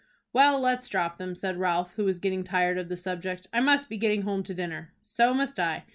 "Well, let's drop them," said Ralph, who was getting tired of the subject. "I must be getting home to dinner." "So must I."